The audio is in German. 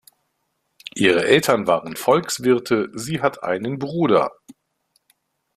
Ihre Eltern waren Volkswirte; sie hat einen Bruder.